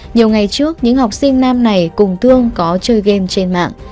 nhiều ngày trước những học sinh nam này cùng thương có chơi game trên mạng